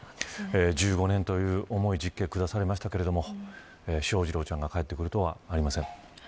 １５年という重い実刑下されましたけれど翔士郎ちゃんが帰ってくることはありません。